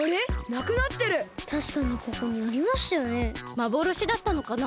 まぼろしだったのかな？